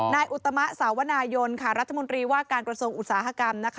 อุตมะสาวนายนรัฐมนตรีว่าการกระทรวงอุตสาหกรรม